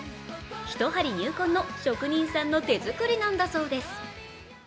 一針入魂の職人さんの手作りなんだそうです。